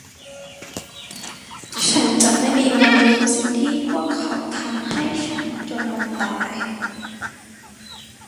ฉันจะไม่มีวันลืมสิ่งที่พวกเขาทำให้ฉันจนวันตาย